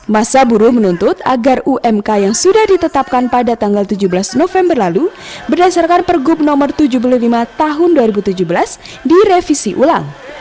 masa buruh menuntut agar umk yang sudah ditetapkan pada tanggal tujuh belas november lalu berdasarkan pergub no tujuh puluh lima tahun dua ribu tujuh belas direvisi ulang